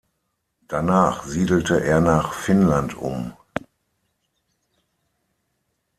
Danach siedelte er nach Finnland um.